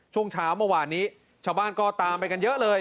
ช่วงเช้าเมื่อวานนี้ชาวบ้านก็ตามไปกันเยอะเลย